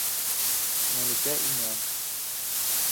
Мәликә инә.